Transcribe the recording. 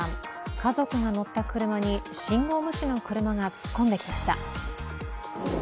家族が乗った車に信号無視の車が突っ込んできました。